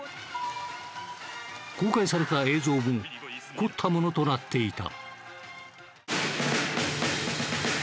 公開された映像も凝ったものとなっていた。